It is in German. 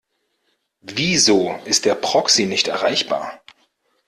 Wieso ist der Proxy nicht erreichbar?